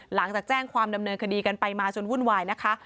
หลังจากแจ้งความดำเนินคดีกันไปมาจนวุ่นวายนะคะ